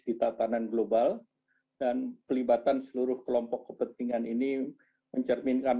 di tatanan global dan pelibatan seluruh kelompok kepentingan ini mencerminkan